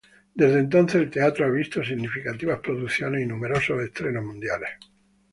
Desde entonces, el teatro ha visto significativas producciones y numerosos estrenos mundiales.